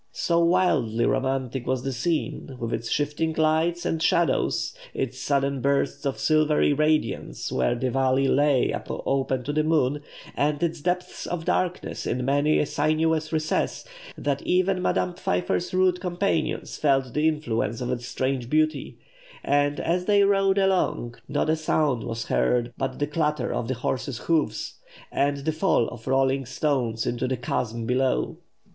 So wildly romantic was the scene, with its shifting lights and shadows, its sudden bursts of silvery radiance where the valley lay open to the moon, and its depths of darkness in many a sinuous recess, that even Madame Pfeiffer's rude companions felt the influence of its strange beauty; and, as they rode along, not a sound was heard but the clatter of the horses' hoofs, and the fall of rolling stones into the chasm below.